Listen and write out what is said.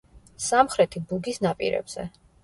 სამხრეთი ბუგის ნაპირებზე.